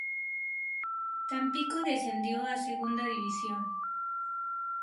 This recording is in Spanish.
Tampico descendió a Segunda División.